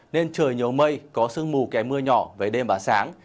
nên trời nhớ mây có sương mù kè mưa nhỏ về đêm và sáng